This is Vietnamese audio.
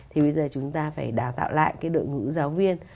thì bây giờ chúng ta phải đào tạo lại cái đội ngũ giáo viên